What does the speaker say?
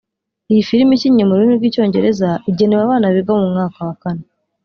Iyi film ikinnye mu rurimi rw’Icyongereza igenewe abana biga mu mwaka wa kane